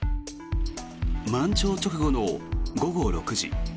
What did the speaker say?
満潮直後の午後６時。